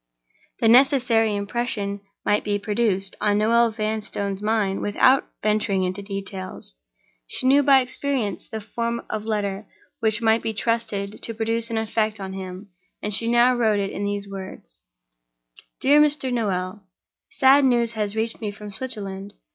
The necessary impression might be produced on Noel Vanstone's mind without venturing into details. She knew by experience the form of letter which might be trusted to produce an effect on him, and she now wrote it in these words: "DEAR MR. NOEL—Sad news has reached me from Switzerland.